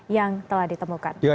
jangan dikeluarkan juga